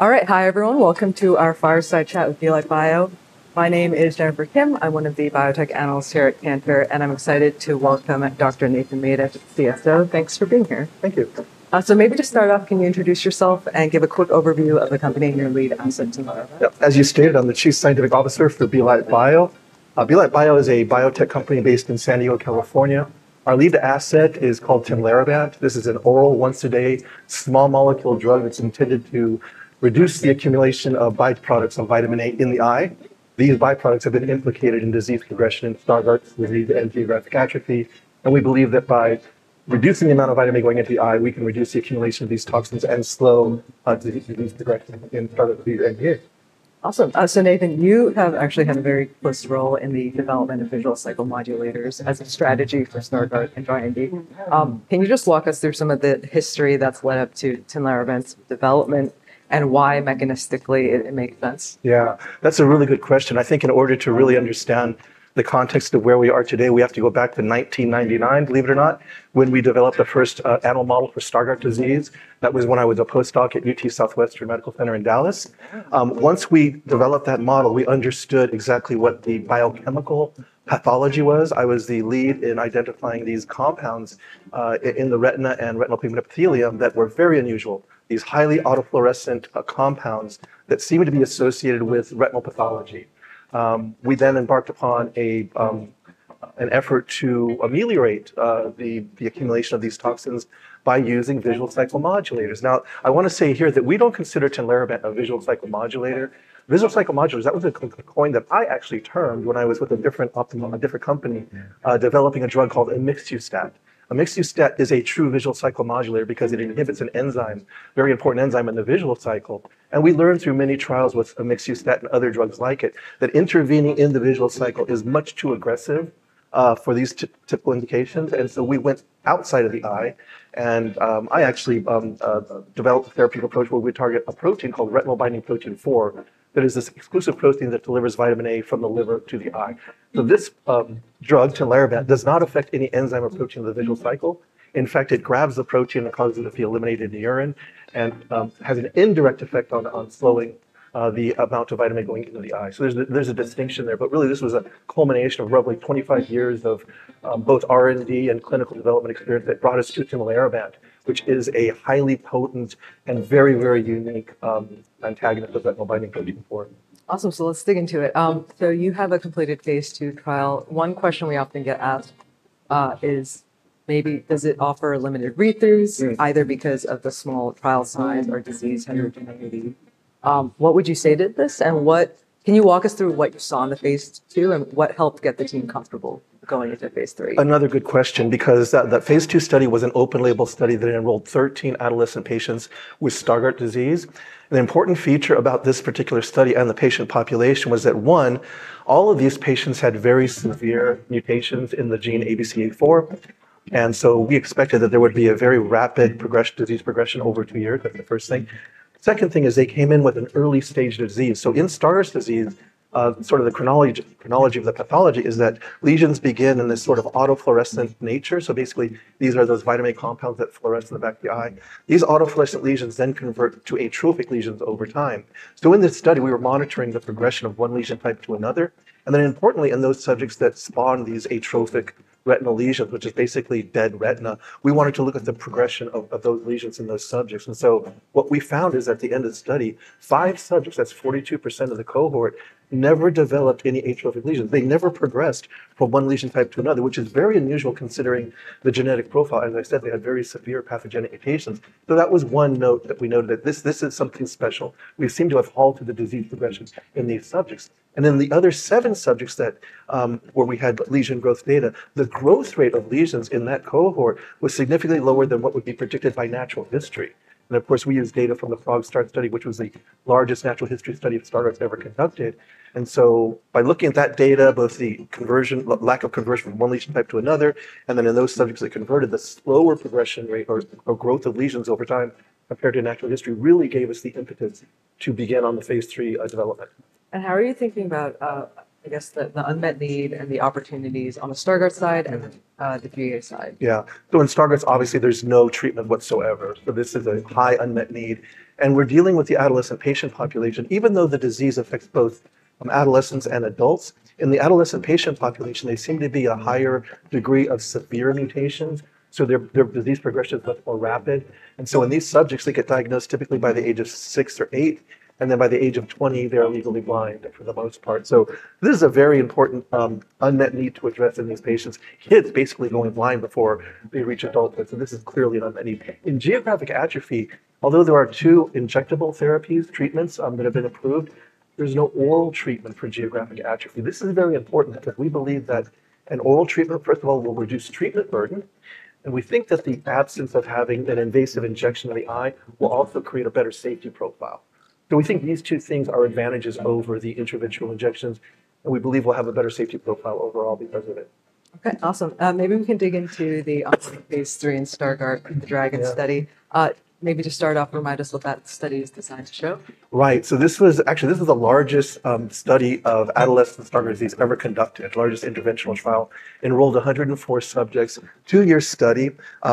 All right. Hi, everyone. Welcome to our fireside chat with Belite Bio. My name is Jennifer Kim. I'm one of the biotech analysts here at Cantor, and I'm excited to welcome Dr. Nathan L. Mata, CSO. Thanks for being here. Thank you. Maybe to start off, can you introduce yourself and give a quick overview of the company and your lead asset team? Yeah. As you stated, I'm the Chief Scientific Officer for Belite Bio. Belite Bio is a biotech company based in San Diego, California. Our lead asset is called Tinlarebant. This is an oral once-a-day small molecule drug that's intended to reduce the accumulation of byproducts of vitamin A in the eye. These byproducts have been implicated in disease progression in Stargardt disease and geographic atrophy. We believe that by reducing the amount of vitamin A going into the eye, we can reduce the accumulation of these toxins and slow disease progression in Stargardt disease and the eye. Awesome. Nathan, you have actually had a very close role in the development of visual cycle modulators as a strategy for Stargardt and RND. Can you just walk us through some of the history that's led up to Tinlarebant's development and why mechanistically it makes sense? Yeah, that's a really good question. I think in order to really understand the context of where we are today, we have to go back to 1999, believe it or not, when we developed the first animal model for Stargardt disease. That was when I was a postdoc at UT Southwestern Medical Center in Dallas. Once we developed that model, we understood exactly what the biochemical pathology was. I was the lead in identifying these compounds in the retina and retinal pigment epithelium that were very unusual, these highly autofluorescent compounds that seemed to be associated with retinal pathology. We then embarked upon an effort to ameliorate the accumulation of these toxins by using visual cycle modulators. Now, I want to say here that we don't consider Tinlarebant a visual cycle modulator. Visual cycle modulators, that was a coin that I actually termed when I was with a different company, developing a drug called Emixustat. Emixustat is a true visual cycle modulator because it inhibits an enzyme, a very important enzyme in the visual cycle. We learned through many trials with Emixustat and other drugs like it that intervening in the visual cycle is much too aggressive for these typical indications. We went outside of the eye, and I actually developed a therapeutic approach where we target a protein called Retinol Binding Protein 4 that is this exclusive protein that delivers vitamin A from the liver to the eye. This drug, Tinlarebant, does not affect any enzyme or protein in the visual cycle. In fact, it grabs the protein and causes it to be eliminated in the urine and has an indirect effect on slowing the amount of vitamin A going into the eye. There is a distinction there. This was a culmination of roughly 25 years of both R&D and clinical development experience that brought us to Tinlarebant, which is a highly potent and very, very unique antagonist of Retinol Binding Protein 4. Awesome. Let's dig into it. You have a completed phase two trial. One question we often get asked is does it offer limited read-throughs, either because of the small trial size or disease heterogeneity? What would you say to this? Can you walk us through what you saw in the phase two and what helped get the team comfortable going into phase three? Another good question because that phase 2 study was an open-label study that enrolled 13 adolescent patients with Stargardt disease. The important feature about this particular study and the patient population was that, one, all of these patients had very severe mutations in the gene ABCA4. We expected that there would be a very rapid disease progression over two years, like the first thing. The second thing is they came in with an early stage disease. In Stargardt disease, sort of the chronology of the pathology is that lesions begin in this sort of autofluorescent nature. Basically, these are those vitamin A compounds that fluoresce in the back of the eye. These autofluorescent lesions then convert to atrophic lesions over time. In this study, we were monitoring the progression of one lesion type to another. Importantly, in those subjects that spawn these atrophic retinal lesions, which is basically dead retina, we wanted to look at the progression of those lesions in those subjects. What we found is at the end of the study, five subjects, that's 42% of the cohort, never developed any atrophic lesions. They never progressed from one lesion type to another, which is very unusual considering the genetic profile. As I said, they had very severe pathogenic mutations. That was one note that we noted that this is something special. We seem to have altered the disease progression in these subjects. The other seven subjects where we had lesion growth data, the growth rate of lesions in that cohort was significantly lower than what would be predicted by natural history. We used data from the FROG-START study, which was the largest natural history study of Stargardt disease ever conducted. By looking at that data, both the lack of conversion from one lesion type to another, and then in those subjects that converted, the slower progression rate or growth of lesions over time compared to natural history really gave us the impetus to begin on the phase 3 development. How are you thinking about, I guess, the unmet need and the opportunities on the Stargardt side and the GA side? Yeah. In Stargardt disease, obviously, there's no treatment whatsoever. This is a high unmet need. We're dealing with the adolescent patient population, even though the disease affects both adolescents and adults. In the adolescent patient population, there seems to be a higher degree of severe mutations, so their disease progression is much more rapid. In these subjects, they get diagnosed typically by the age of six or eight, and then by the age of 20, they're legally blind for the most part. This is a very important unmet need to address in these patients—kids basically going blind before they reach adulthood. This is clearly an unmet need. In geographic atrophy, although there are two injectable therapies, treatments that have been approved, there's no oral treatment for geographic atrophy. This is very important because we believe that an oral treatment, first of all, will reduce treatment burden. We think that the absence of having an invasive injection in the eye will also create a better safety profile. We think these two things are advantages over the intravitreal injections, and we believe we'll have a better safety profile overall because of it. Okay, awesome. Maybe we can dig into the phase 3 in Stargardt, the Dragon study. Maybe to start off, remind us what that study is designed to show. Right. This was actually the largest study of adolescent Stargardt disease ever conducted. The largest interventional trial enrolled 104 subjects, two-year study.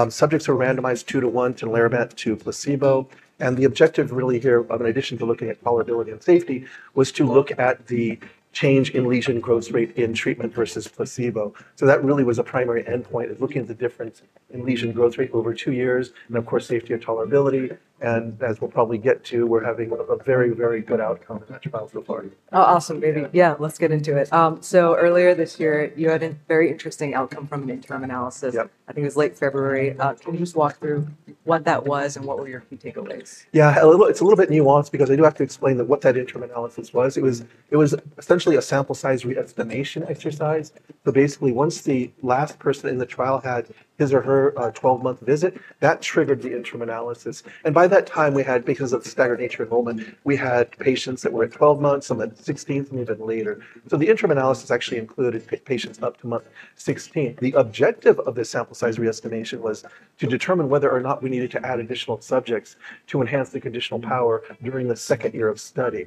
Subjects were randomized two to one, Tinlarebant to placebo. The objective really here, in addition to looking at tolerability and safety, was to look at the change in lesion growth rate in treatment versus placebo. That really was a primary endpoint of looking at the difference in lesion growth rate over two years, and of course, safety and tolerability. As we'll probably get to, we're having a very, very good outcome in that trial so far. Oh, awesome. Maybe, yeah, let's get into it. Earlier this year, you had a very interesting outcome from an interim analysis. I think it was late February. Can you just walk through what that was and what were your key takeaways? Yeah, it's a little bit nuanced because I do have to explain what that interim analysis was. It was essentially a sample size re-estimation exercise. Basically, once the last person in the trial had his or her 12-month visit, that triggered the interim analysis. By that time, because of the staggered nature of enrollment, we had patients that were at 12 months, some at 16, some even later. The interim analysis actually included patients up to month 16. The objective of this sample size re-estimation was to determine whether or not we needed to add additional subjects to enhance the conditional power during the second year of study.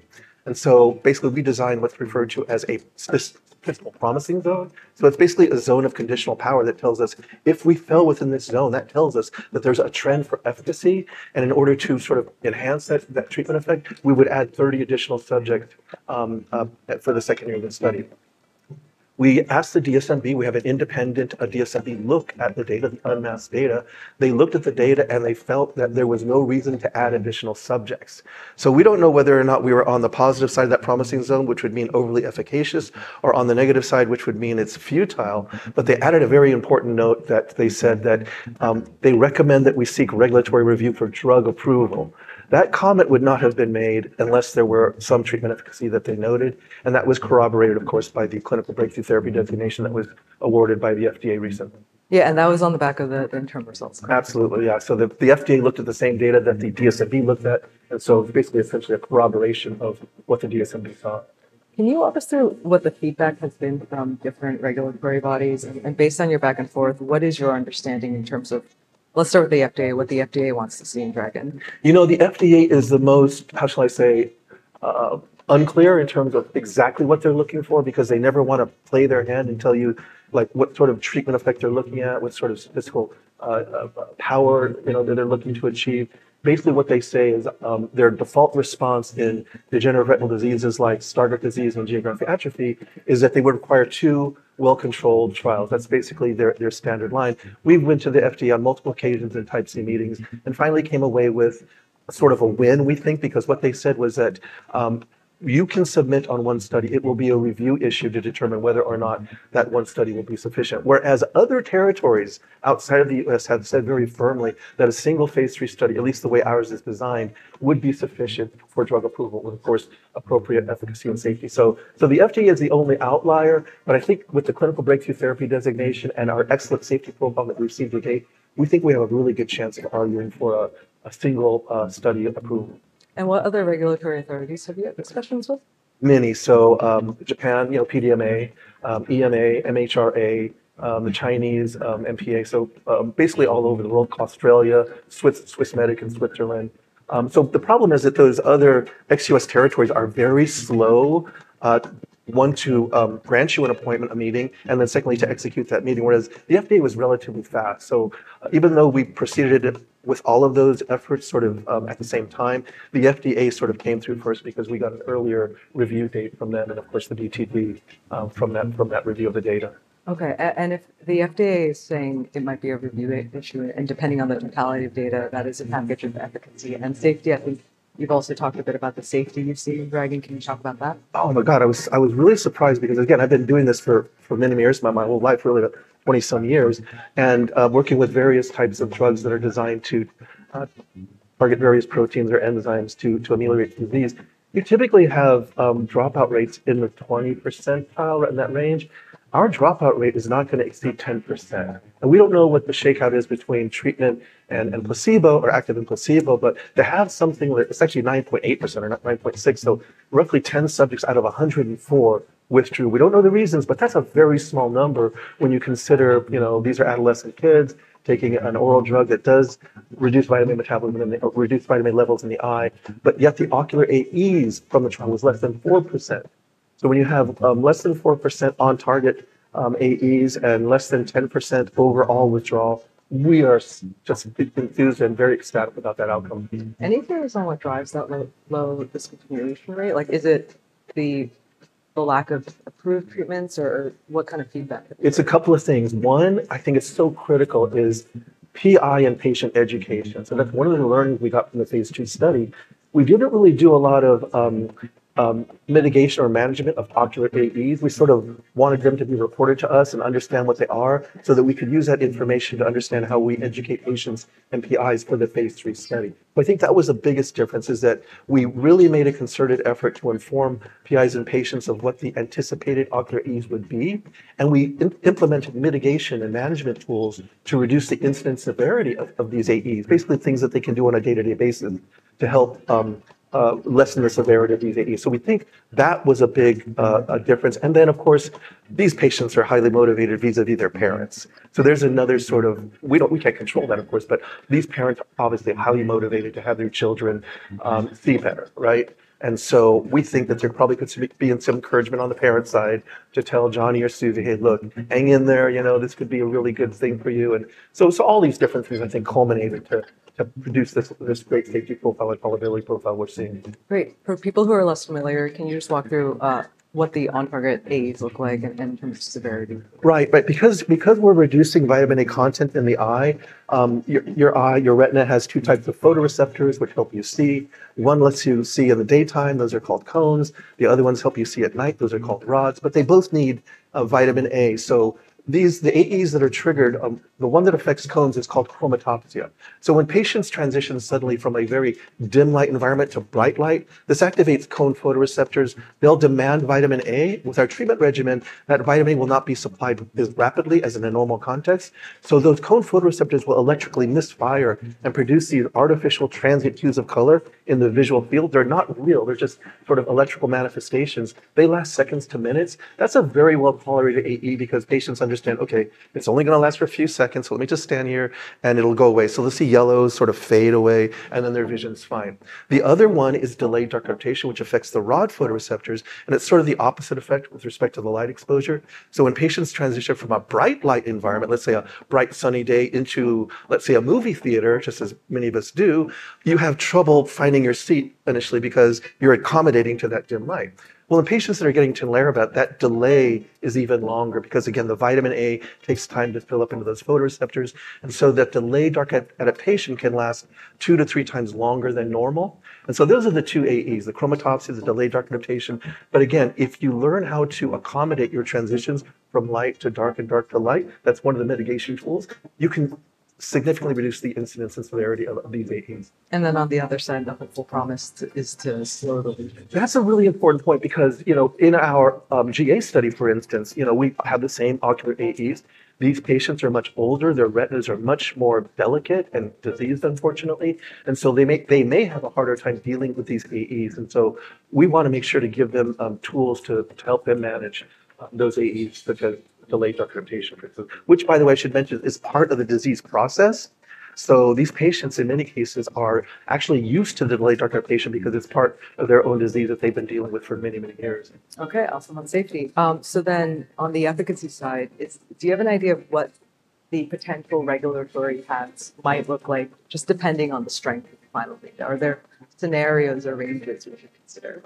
We designed what's referred to as a promising zone. It's basically a zone of conditional power that tells us if we fell within this zone, that tells us that there's a trend for efficacy. In order to sort of enhance that treatment effect, we would add 30 additional subjects for the second year of the study. We asked the Data Safety Monitoring Board. We have an independent Data Safety Monitoring Board look at the data, the unmasked data. They looked at the data and they felt that there was no reason to add additional subjects. We don't know whether or not we were on the positive side of that promising zone, which would mean overly efficacious, or on the negative side, which would mean it's futile. They added a very important note that they said that they recommend that we seek regulatory review for drug approval. That comment would not have been made unless there were some treatment efficacy that they noted. That was corroborated, of course, by the clinical Breakthrough Therapy Designation that was awarded by the FDA recently. Yeah, that was on the back of the interim results. Absolutely, yeah. The FDA looked at the same data that the DSMB looked at. It's basically essentially a corroboration of what the DSMB saw. Can you walk us through what the feedback has been from different regulatory bodies? Based on your back and forth, what is your understanding in terms of, let's start with the FDA, what the FDA wants to see in Dragon? You know, the FDA is the most, how shall I say, unclear in terms of exactly what they're looking for because they never want to play their hand and tell you like what sort of treatment effect they're looking at, what sort of physical power that they're looking to achieve. Basically, what they say is their default response in degenerative retinal diseases like Stargardt disease and geographic atrophy is that they would require two well-controlled trials. That's basically their standard line. We've been to the FDA on multiple occasions in type C meetings and finally came away with sort of a win, we think, because what they said was that you can submit on one study. It will be a review issue to determine whether or not that one study will be sufficient. Whereas other territories outside of the U.S. have said very firmly that a single phase 3 study, at least the way ours is designed, would be sufficient for drug approval with, of course, appropriate efficacy and safety. The FDA is the only outlier. I think with the clinical Breakthrough Therapy Designation and our excellent safety profile that we received today, we think we have a really good chance at arguing for a single study approval. What other regulatory authorities have you had discussions with? Many. Japan, you know, PMDA, EMA, MHRA, the Chinese NMPA. Basically all over the world, Australia, Swissmedic, and Switzerland. The problem is that those other ex-U.S. territories are very slow, one, to grant you an appointment, a meeting, and then secondly to execute that meeting, whereas the FDA was relatively fast. Even though we proceeded with all of those efforts sort of at the same time, the FDA sort of came through first because we got an earlier review date from them, and of course the DTD from that review of the data. Okay. If the FDA is saying it might be a review issue, and depending on the totality of data, that is a package of efficacy and safety. I think you've also talked a bit about the safety you've seen in Dragon. Can you talk about that? Oh my God, I was really surprised because again, I've been doing this for many years, my whole life, really about 20 some years, and working with various types of drugs that are designed to target various proteins or enzymes to ameliorate the disease. You typically have dropout rates in the 20% in that range. Our dropout rate is not going to exceed 10%. We don't know what the shakeout is between treatment and placebo or active and placebo, but to have something that's actually 9.8% or not 9.6%, so roughly 10 subjects out of 104 withdrew. We don't know the reasons, that's a very small number when you consider, you know, these are adolescent kids taking an oral drug that does reduce vitamin A metabolism and reduce vitamin A levels in the eye. Yet the ocular AEs from the trial was less than 4%. When you have less than 4% on target AEs and less than 10% overall withdrawal, we are just a bit confused and very ecstatic about that outcome. Any theories on what drives that low discontinuation rate? Is it the lack of approved treatments or what kind of feedback? It's a couple of things. One, I think it's so critical is PI and patient education. That's one of the learnings we got from the phase 2 study. We didn't really do a lot of mitigation or management of ocular AEs. We wanted them to be reported to us and understand what they are so that we could use that information to understand how we educate patients and PIs for the phase 3 study. I think that was the biggest difference, that we really made a concerted effort to inform PIs and patients of what the anticipated ocular AEs would be. We implemented mitigation and management tools to reduce the incident severity of these AEs, basically things that they can do on a day-to-day basis to help lessen the severity of these AEs. We think that was a big difference. These patients are highly motivated vis-à-vis their parents. There's another sort of, we can't control that, of course, but these parents are obviously highly motivated to have their children see better, right? We think that there probably could be some encouragement on the parent side to tell Johnny or Susie, "Hey, look, hang in there, you know, this could be a really good thing for you." All these different things, I think, culminated to produce this great safety profile and tolerability profile we're seeing. Great. For people who are less familiar, can you just walk through what the on-target AEs look like in terms of severity? Right. Because we're reducing vitamin A content in the eye, your eye, your retina has two types of photoreceptors, which help you see. One lets you see in the daytime. Those are called cones. The other ones help you see at night. Those are called rods. They both need vitamin A. The AEs that are triggered, the one that affects cones, is called chromatopsia. When patients transition suddenly from a very dim light environment to bright light, this activates cone photoreceptors. They'll demand vitamin A. With our treatment regimen, that vitamin A will not be supplied as rapidly as in a normal context. Those cone photoreceptors will electrically misfire and produce these artificial transient cues of color in the visual field. They're not real. They're just sort of electrical manifestations. They last seconds to minutes. That's a very well tolerated AE because patients understand, "Okay, it's only going to last for a few seconds. Let me just stand here and it'll go away." They'll see yellows sort of fade away and then their vision's fine. The other one is delayed dark adaptation, which affects the rod photoreceptors. It's sort of the opposite effect with respect to the light exposure. When patients transition from a bright light environment, let's say a bright sunny day, into, let's say, a movie theater, just as many of us do, you have trouble finding your seat initially because you're accommodating to that dim light. In patients that are getting Tinlarebant, that delay is even longer because, again, the vitamin A takes time to fill up into those photoreceptors. That delayed dark adaptation can last two to three times longer than normal. Those are the two AEs, the chromatopsia, the delayed dark adaptation. If you learn how to accommodate your transitions from light to dark and dark to light, that's one of the mitigation tools. You can significantly reduce the incidence and severity of these AEs. On the other side, the hopeful promise is to slow the lesions. That's a really important point because, you know, in our GA study, for instance, we have the same ocular AEs. These patients are much older. Their retinas are much more delicate and diseased, unfortunately. They may have a harder time dealing with these AEs. We want to make sure to give them tools to help them manage those AEs, the delayed dark adaptation, which, by the way, I should mention, is part of the disease process. These patients, in many cases, are actually used to the delayed dark adaptation because it's part of their own disease that they've been dealing with for many, many years. Okay, awesome on safety. On the efficacy side, do you have an idea of what the potential regulatory paths might look like just depending on the strength of the final data? Are there scenarios or ranges that you should consider?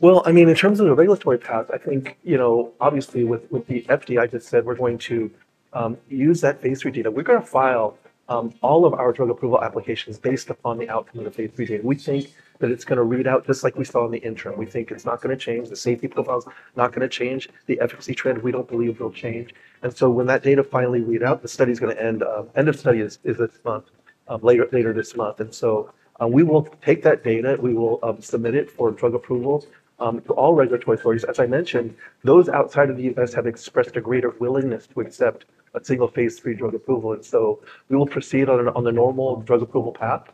In terms of the regulatory path, I think, you know, obviously with the FDA, I just said we're going to use that phase 3 data. We're going to file all of our drug approval applications based upon the outcome of the phase 3 data. We think that it's going to read out just like we saw in the interim. We think it's not going to change. The safety profile is not going to change. The efficacy trend, we don't believe will change. When that data finally reads out, the study is going to end. End of study is this month, later this month. We will take that data. We will submit it for drug approvals to all regulatory authorities. As I mentioned, those outside of the U.S. have expressed a greater willingness to accept a single phase 3 drug approval. We will proceed on the normal drug approval path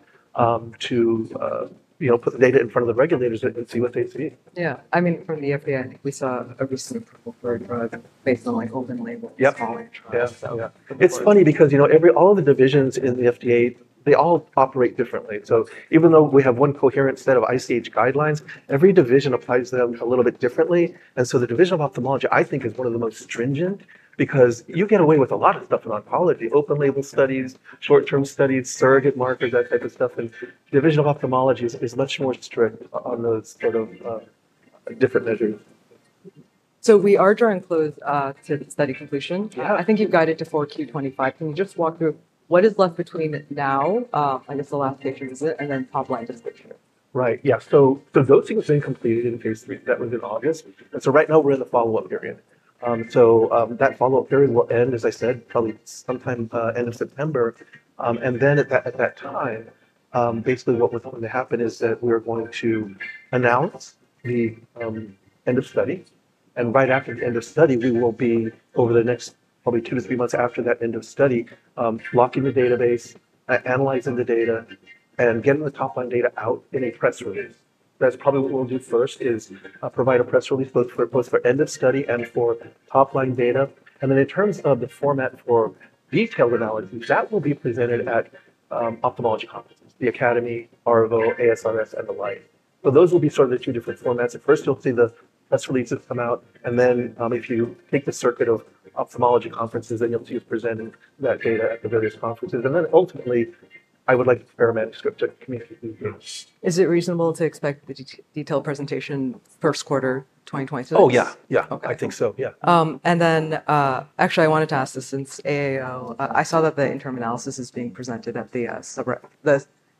to, you know, put the data in front of the regulators and see what they see. Yeah, I mean, from the FDA, I think we saw a recent approval for a drug based on open-label quality trials. Yeah, it's funny because, you know, all of the divisions in the FDA, they all operate differently. Even though we have one coherent set of ICH guidelines, every division applies them a little bit differently. The Division of Ophthalmology, I think, is one of the most stringent because you get away with a lot of stuff in oncology, open-label studies, short-term studies, surrogate markers, that type of stuff. The Division of Ophthalmology is much more strict on those sort of different measures. We are drawing close to the study completion. I think you've got it to 4Q25. Can you just walk through what is left between now, the last patient visit, and then top line description? Right, yeah. Those things are incomplete in phase 3. That was in August. Right now we're in the follow-up period. That follow-up period will end, as I said, probably sometime end of September. At that time, basically what will happen is that we're going to announce the end of study. Right after the end of study, we will be, over the next probably two to three months after that end of study, locking the database, analyzing the data, and getting the top line data out in a press release. That's probably what we'll do first is provide a press release both for end of study and for top line data. In terms of the format for detailed analysis, that will be presented at ophthalmology conferences, the Academy, RVO, ASRS, and the LIHAT. Those will be sort of the two different formats. At first, you'll see the press releases come out. If you take the circuit of ophthalmology conferences, then you'll see us presenting that data at the various conferences. Ultimately, I would like to prepare a manuscript to communicate these data. Is it reasonable to expect the detailed presentation first quarter 2023? Yeah, I think so, yeah. Actually, I wanted to ask this. Since AAO, I saw that the interim analysis is being presented at the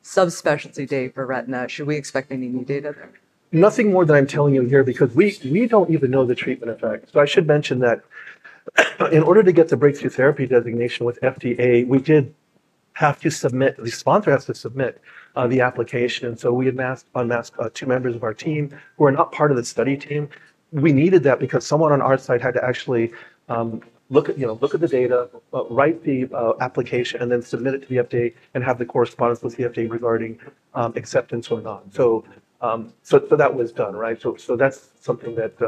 subspecialty day for retina. Should we expect any new data there? Nothing more than I'm telling you here because we don't even know the treatment effect. I should mention that in order to get the Breakthrough Therapy Designation with the FDA, we did have to submit, the sponsor has to submit the application. We unmasked two members of our team who are not part of the study team. We needed that because someone on our side had to actually look at the data, write the application, and then submit it to the FDA and have the correspondence with the FDA regarding acceptance or not. That was done, right? That's something that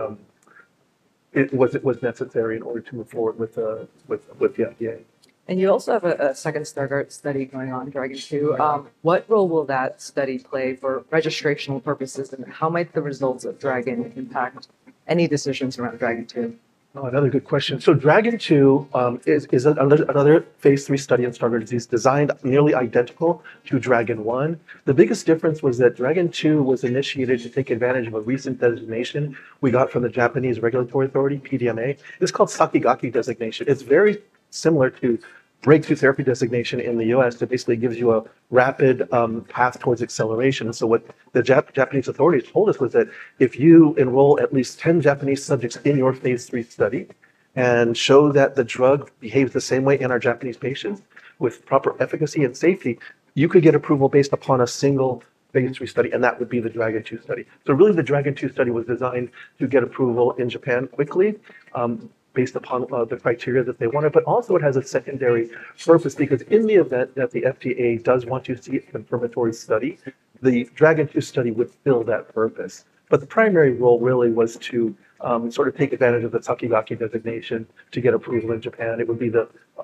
was necessary in order to move forward with the FDA. You also have a second Stargardt study going on, Dragon II. What role will that study play for registrational purposes, and how might the results of Dragon impact any decisions around Dragon II? Another good question. Dragon II is another phase 3 study in Stargardt disease designed nearly identical to Dragon. The biggest difference was that Dragon II was initiated to take advantage of a recent designation we got from the Japanese regulatory authority, PMDA. It's called Sakigake designation. It's very similar to Breakthrough Therapy Designation in the U.S. It basically gives you a rapid path towards acceleration. What the Japanese authorities told us was that if you enroll at least 10 Japanese subjects in your phase 3 study and show that the drug behaves the same way in our Japanese patients with proper efficacy and safety, you could get approval based upon a single phase 3 study, and that would be the Dragon II study. Dragon II was designed to get approval in Japan quickly based upon the criteria that they wanted. It also has a secondary purpose because in the event that the FDA does want to see a confirmatory study, the Dragon II study would fill that purpose. The primary role really was to sort of take advantage of the Sakigake designation to get approval in Japan. It would be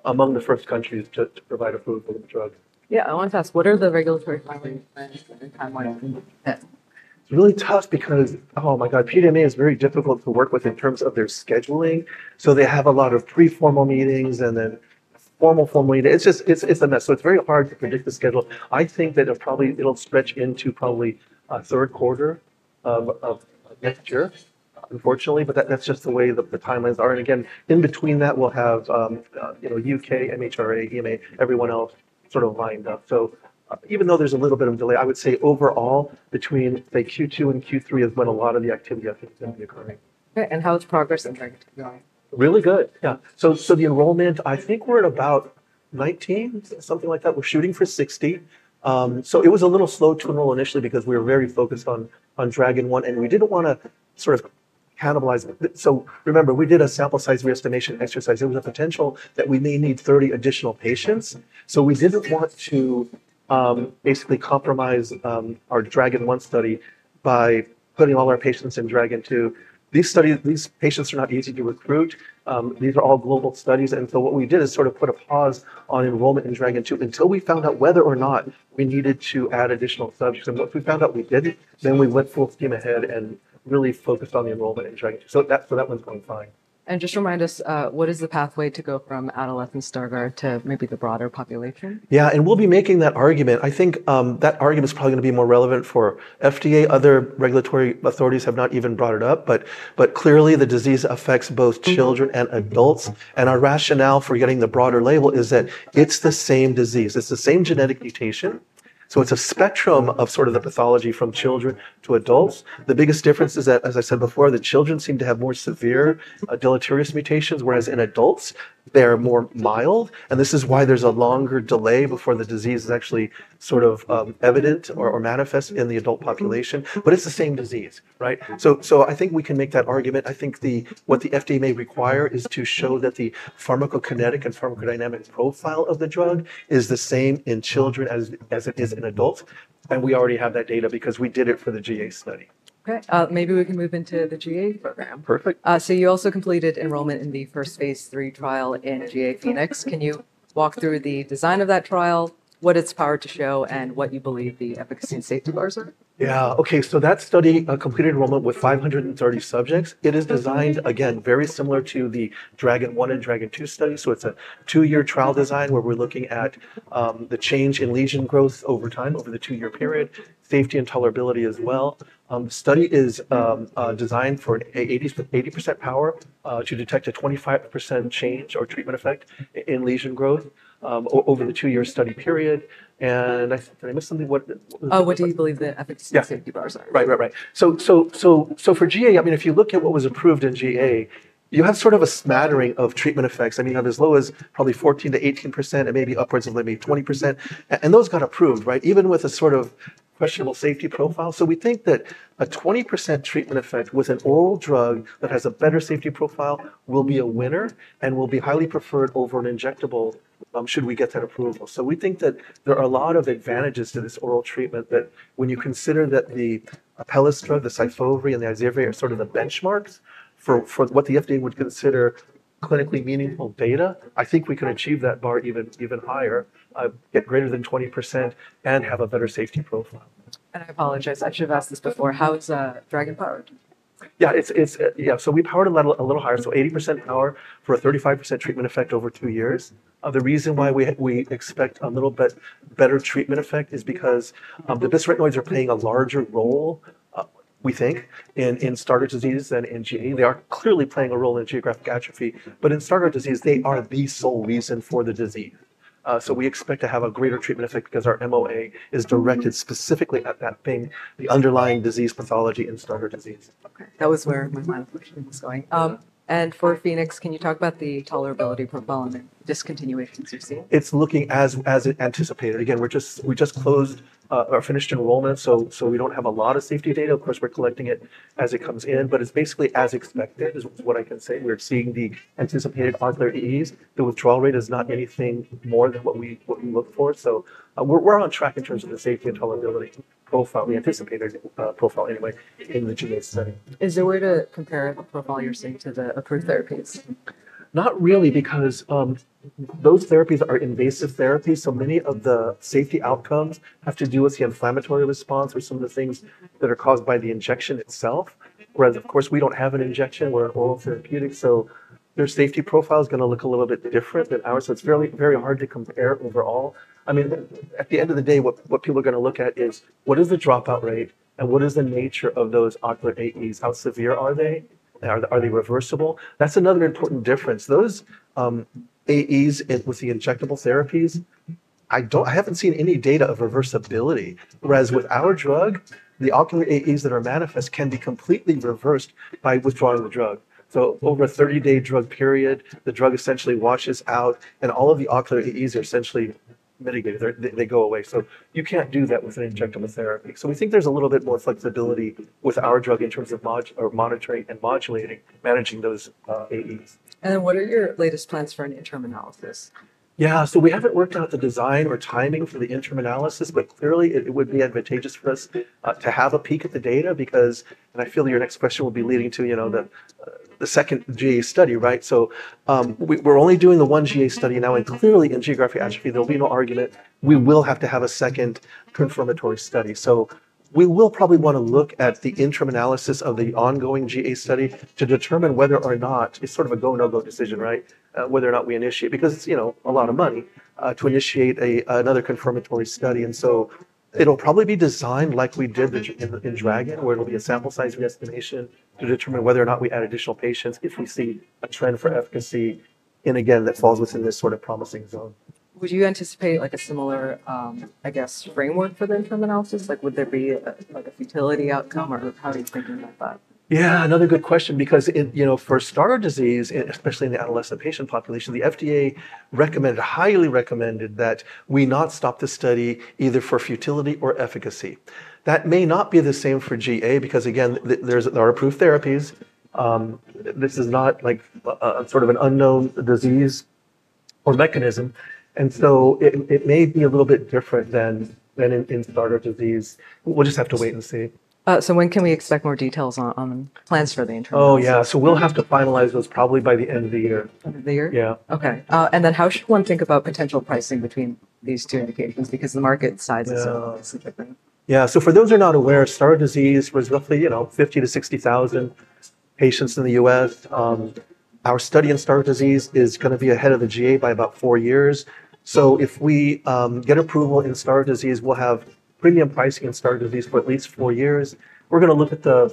among the first countries to provide approval of the drug. Yeah, I wanted to ask, what are the regulatory timelines in Japan? It's really tough because, oh my God, PMDA is very difficult to work with in terms of their scheduling. They have a lot of pre-formal meetings and then formal formal meetings. It's just, it's a mess. It's very hard to predict the schedule. I think that it'll probably stretch into probably a third quarter of next year, unfortunately, but that's just the way the timelines are. In between that, we'll have, you know, UK, MHRA, EMA, everyone else sort of lined up. Even though there's a little bit of a delay, I would say overall between, say, Q2 and Q3 is when a lot of the activity I think is going to be occurring. How is progress in Dragon II going? Really good, yeah. The enrollment, I think we're at about 19, something like that. We're shooting for 60. It was a little slow to enroll initially because we were very focused on Dragon, and we didn't want to sort of cannibalize. Remember, we did a sample size re-estimation exercise. There was a potential that we may need 30 additional patients. We didn't want to basically compromise our Dragon study by putting all our patients in Dragon II. These patients are not easy to recruit. These are all global studies. We put a pause on enrollment in Dragon II until we found out whether or not we needed to add additional subjects. Once we found out we did it, we went full steam ahead and really focused on the enrollment in Dragon II. That one's going fine. Just remind us, what is the pathway to go from adolescent Stargardt to maybe the broader population? Yeah, and we'll be making that argument. I think that argument is probably going to be more relevant for the FDA. Other regulatory authorities have not even brought it up. Clearly, the disease affects both children and adults. Our rationale for getting the broader label is that it's the same disease. It's the same genetic mutation. It's a spectrum of the pathology from children to adults. The biggest difference is that, as I said before, the children seem to have more severe deleterious mutations, whereas in adults, they're more mild. This is why there's a longer delay before the disease is actually evident or manifest in the adult population. It's the same disease, right? I think we can make that argument. I think what the FDA may require is to show that the pharmacokinetic and pharmacodynamic profile of the drug is the same in children as it is in adults. We already have that data because we did it for the GA study. Okay, maybe we can move into the GA program. Perfect. You also completed enrollment in the first phase 3 trial in GA Phoenix. Can you walk through the design of that trial, what its power to show, and what you believe the efficacy and safety bars are? Yeah, okay. That study completed enrollment with 530 subjects. It is designed, again, very similar to the Dragon and Dragon II study. It is a two-year trial design where we're looking at the change in lesion growth over time, over the two-year period, safety and tolerability as well. The study is designed for an 80% power to detect a 25% change or treatment effect in lesion growth over the two-year study period. I said that I missed something. What do you believe the efficacy and safety bars are? Right. For GA, if you look at what was approved in GA, you have sort of a smattering of treatment effects. You have as low as probably 14% to 18% and maybe upwards of 20%. Those got approved, even with a sort of questionable safety profile. We think that a 20% treatment effect with an oral drug that has a better safety profile will be a winner and will be highly preferred over an injectable should we get that approval. We think that there are a lot of advantages to this oral treatment. When you consider that the Apellis drug, the Syfovre, and the Izervay are sort of the benchmarks for what the FDA would consider clinically meaningful data, I think we can achieve that bar even higher, get greater than 20%, and have a better safety profile. I apologize. I should have asked this before. How is Dragon powered? Yeah, we powered a little higher. 80% power for a 35% treatment effect over two years. The reason why we expect a little bit better treatment effect is because the bispharonoids are playing a larger role, we think, in Stargardt disease than in GA. They are clearly playing a role in geographic atrophy. In Stargardt disease, they are the sole reason for the disease. We expect to have a greater treatment effect because our MOA is directed specifically at that thing, the underlying disease pathology in Stargardt disease. That was where my line of questioning was going. For Phoenix, can you talk about the tolerability profile and the discontinuation you've seen? It's looking as anticipated. We just closed or finished enrollment, so we don't have a lot of safety data. Of course, we're collecting it as it comes in, but it's basically as expected, is what I can say. We're seeing the anticipated ocular EEs. The withdrawal rate is not anything more than what we look for. We're on track in terms of the safety and tolerability profile, the anticipated profile anyway, in the GA study. Is there a way to compare the profile you're seeing to the approved therapies? Not really, because those therapies are invasive therapies. Many of the safety outcomes have to do with the inflammatory response or some of the things that are caused by the injection itself. Whereas, of course, we don't have an injection. We're an oral therapeutic. Their safety profile is going to look a little bit different than ours. It's very hard to compare overall. At the end of the day, what people are going to look at is what is the dropout rate and what is the nature of those ocular AEs? How severe are they? Are they reversible? That's another important difference. Those AEs with the injectable therapies, I haven't seen any data of reversibility. Whereas with our drug, the ocular AEs that are manifest can be completely reversed by withdrawing the drug. Over a 30-day drug period, the drug essentially washes out and all of the ocular AEs are essentially mitigated. They go away. You can't do that with an injectable therapy. We think there's a little bit more flexibility with our drug in terms of monitoring and modulating, managing those AEs. What are your latest plans for an interim analysis? Yeah, we haven't worked out the design or timing for the interim analysis, but clearly it would be advantageous for us to have a peek at the data because, and I feel your next question will be leading to, you know, the second GA study, right? We're only doing the one GA study now, and clearly in geographic atrophy, there'll be no argument. We will have to have a second confirmatory study. We will probably want to look at the interim analysis of the ongoing GA study to determine whether or not it's sort of a go/no-go decision, right? Whether or not we initiate, because it's a lot of money to initiate another confirmatory study. It'll probably be designed like we did in Dragon, where it'll be a sample size re-estimation to determine whether or not we add additional patients if we see a trend for efficacy. Again, that falls within this sort of promising zone. Would you anticipate a similar framework for the interim analysis? Would there be a futility outcome or how are you thinking about that? Yeah, another good question because, you know, for Stargardt disease, especially in the adolescent patient population, the FDA highly recommended that we not stop the study either for futility or efficacy. That may not be the same for GA because, again, there are approved therapies. This is not like a sort of an unknown disease or mechanism. It may be a little bit different than in Stargardt disease. We'll just have to wait and see. When can we expect more details on plans for the interim? Oh, yeah, we'll have to finalize those probably by the end of the year. End of the year? Yeah. How should one think about potential pricing between these two indications because the market size is so different? Yeah, so for those who are not aware, Stargardt disease has roughly, you know, 50,000 to 60,000 patients in the U.S. Our study in Stargardt disease is going to be ahead of the GA by about four years. If we get approval in Stargardt disease, we'll have premium pricing in Stargardt disease for at least four years. We're going to look at the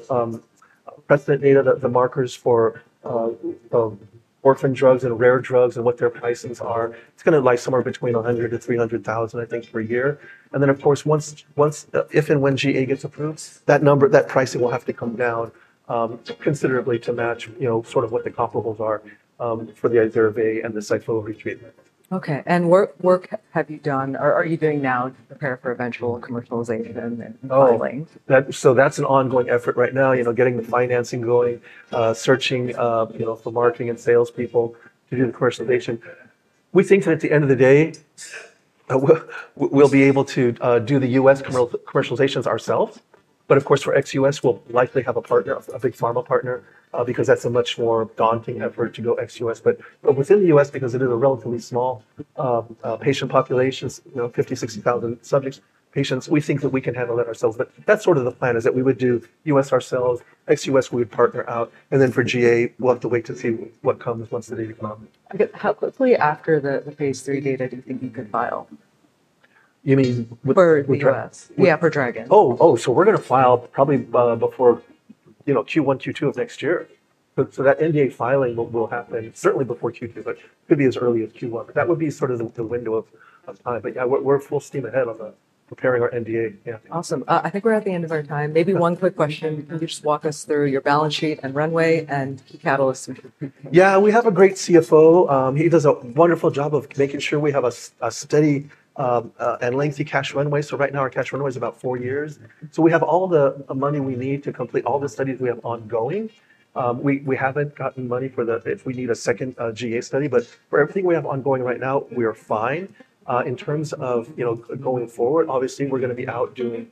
precedent data, the markers for orphan drugs and rare drugs and what their pricings are. It's going to lie somewhere between $100,000 to $300,000, I think, per year. Of course, once, if and when GA gets approved, that number, that pricing will have to come down considerably to match, you know, sort of what the comparables are for the Ixivir and the Siphovri treatment. Okay. What work have you done or are you doing now to prepare for eventual commercialization and rolling? That's an ongoing effort right now, getting the financing going, searching for marketing and salespeople to do the commercialization. We think that at the end of the day, we'll be able to do the U.S. commercializations ourselves. Of course, for ex-U.S., we'll likely have a partner, a big pharma partner, because that's a much more daunting effort to go ex-U.S. Within the U.S., because it is a relatively small patient population, 50,000, 60,000 subjects, patients, we think that we can handle that ourselves. That's sort of the plan, that we would do U.S. ourselves, ex-U.S. we would partner out. For GA, we'll have to wait to see what comes once the data come out. How quickly after the phase 3 data do you think you could file? You mean with... For the U.S., yeah, for Dragon. We're going to file probably before, you know, Q1, Q2 of next year. That NDA filing will happen certainly before Q2, but it could be as early as Q1. That would be sort of the window of time. Yeah, we're full steam ahead on preparing our NDA. Awesome. I think we're at the end of our time. Maybe one quick question. Can you just walk us through your balance sheet and runway and key catalysts? Yeah, we have a great CFO. He does a wonderful job of making sure we have a steady and lengthy cash runway. Right now, our cash runway is about four years. We have all the money we need to complete all the studies we have ongoing. We haven't gotten money for the, if we need a second GA study. For everything we have ongoing right now, we are fine. In terms of going forward, obviously we're going to be out doing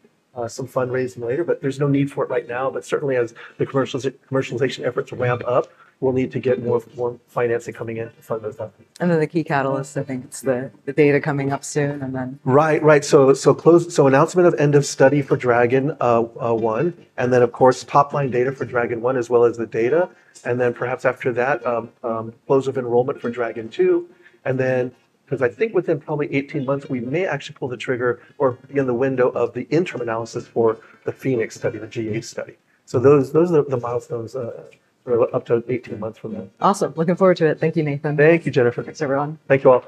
some fundraising later, but there's no need for it right now. Certainly, as the commercialization efforts ramp up, we'll need to get more financing coming in to fund those up. The key catalyst, I think it's the data coming up soon and then... Right, right. So close, so announcement of end of study for Dragon. And then, of course, top line data for Dragon as well as the data. Then perhaps after that, close of enrollment for Dragon II. I think within probably 18 months, we may actually pull the trigger or be in the window of the interim analysis for the Phoenix study, the GA study. Those are the milestones for up to 18 months from now. Awesome. Looking forward to it. Thank you, Nathan. Thank you, Jennifer. Thanks, everyone. Thank you all.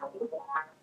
Thanks, John. Okay, That was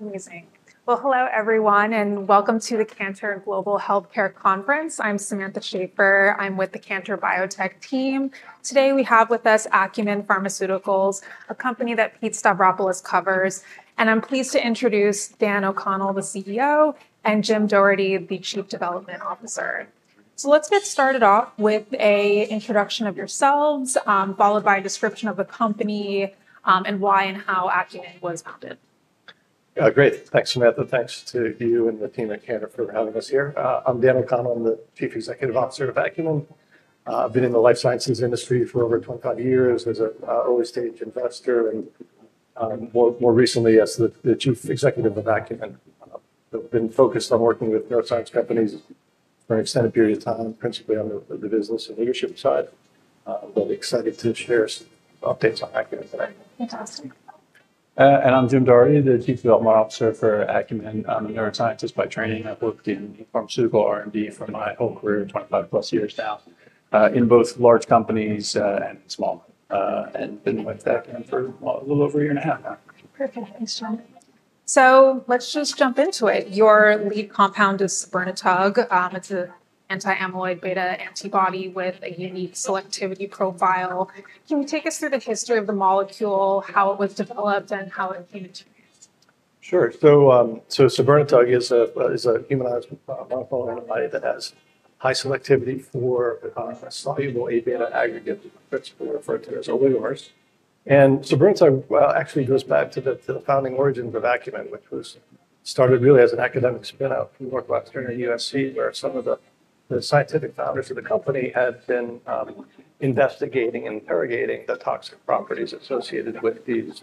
amazing. Hello everyone, and welcome to the Cantor Global Healthcare Conference. I'm Samantha Schafer. I'm with the Cantor Biotech team. Today we have with us Belite Bio, a company that Pete Stavropoulos covers, and I'm pleased to introduce Dan O'Connell, the CEO, and Jim Doherty, the Chief Development Officer. Let's get started off with an introduction of yourselves, followed by a description of the company, and why and how Belite Bio was founded. Yeah, great. Thanks, Samantha. Thanks to you and the team at Cantor for having us here. I'm Dr. Nathan L. Mata. I'm the Chief Scientific Officer of Belite Bio. I've been in the life sciences industry for over 25 years as an early-stage investor, and more recently as the Chief Scientific Officer of Belite Bio. I've been focused on working with neuroscience companies for an extended period of time, principally on the business and leadership side, but excited to share some updates on Belite Bio today. Fantastic. I'm Jim Doherty, the Chief Development Officer for Acunin. I'm a neuroscientist by training. I've worked in pharmaceutical R&D for my whole career, 25+ years now, in both large companies and small, and been with Acunin for a little over a year and a half now. Perfect. Thanks, Jim. Let's just jump into it. Your lead compound is Tinlarebant. It's an anti-amyloid beta antibody with a unique selectivity profile. Can you take us through the history of the molecule, how it was developed, and how it came into use? Sure. Soburnitug is a humanized monoclonal antibody that has high selectivity for a soluble A-beta aggregate, which is principally referred to as oligomers. Soburnitug actually goes back to the founding origins of Acunin, which was started as an academic spin-off from Northwestern and USC, where some of the scientific founders of the company had been investigating and interrogating the toxic properties associated with these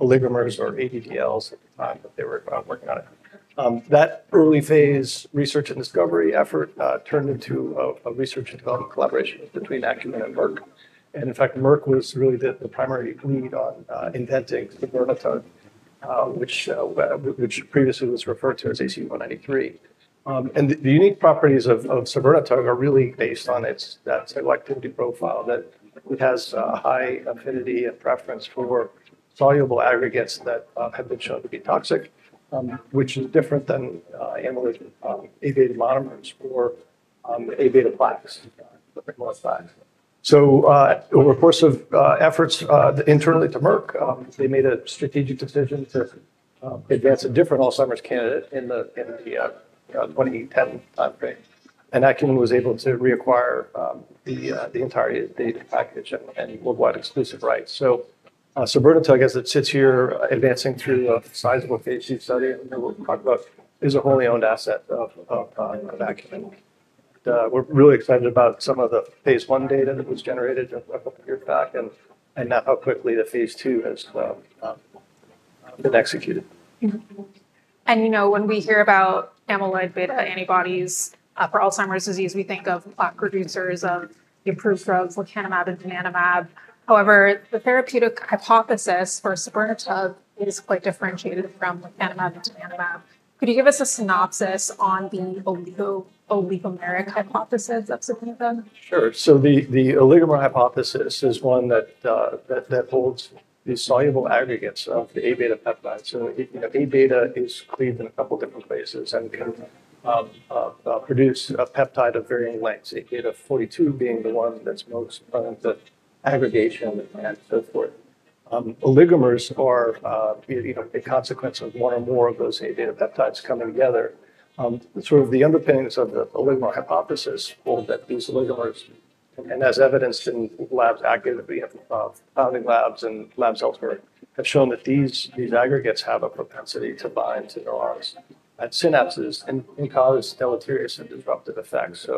oligomers or ADDLs at the time that they were working on it. That early phase research and discovery effort turned into a research and development collaboration between Acunin and Merck. In fact, Merck was the primary lead on inventing Soburnitug, which previously was referred to as AC193. The unique properties of Soburnitug are really based on its selectivity profile, that it has a high affinity and preference for soluble aggregates that have been shown to be toxic, which is different than amyloid A-beta monomers or A-beta plaques in most lives. Over a course of efforts internally to Merck, they made a strategic decision to advance a different Alzheimer's candidate in the 2010 timeframe, and Acunin was able to reacquire the entire data package and worldwide exclusive rights. Soburnitug, as it sits here advancing through a sizable phase II study, and what we'll talk about is a wholly owned asset of Acunin. We're really excited about some of the phase I data that was generated a couple of years back, and now how quickly the phase II has been executed. When we hear about amyloid beta antibodies for Alzheimer's disease, we think of lock reducers of the approved drugs like aducanumab and donanemab. However, the therapeutic hypothesis for Soburnitug is quite differentiated from aducanumab and donanemab. Could you give us a synopsis on the oligomeric hypothesis of Soburnitug? Sure. The oligomer hypothesis is one that holds these soluble aggregates of the A-beta peptide. If A-beta is cleaved in a couple of different places and can produce a peptide of varying lengths, A-beta 42 being the one that's most prone to aggregation and so forth, oligomers are a consequence of one or more of those A-beta peptides coming together. The underpinnings of the oligomer hypothesis hold that these oligomers, as evidenced in labs, founding labs and labs elsewhere, have shown that these aggregates have a propensity to bind to neurons at synapses and cause deleterious and disruptive effects,